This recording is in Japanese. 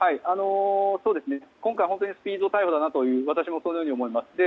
今回、本当にスピード逮捕だなと私もそのように思います。